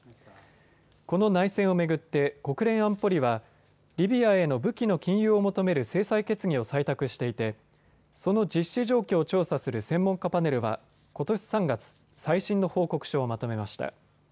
この内戦を巡って国連安保理はリビアへの武器の禁輸を求める制裁決議を採択していてその実施状況を調査する専門家パネルはことし３月、最新の報告書をまとめました。